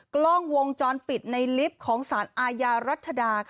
กล้องวงจรปิดในลิฟต์ของสารอาญารัชดา